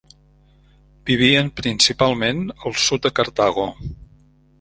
Vivien principalment al sud de Cartago.